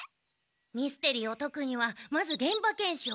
ミステリーをとくにはまず現場検証。